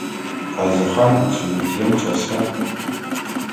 Къазихъан общежитием чӏэса?